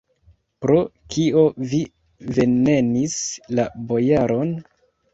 Pro kio vi venenis la bojaron?